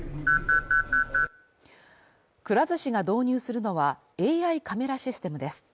くら寿司が導入するのは、ＡＩカメラシステムです。